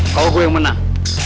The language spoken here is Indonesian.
kalau gue yang menang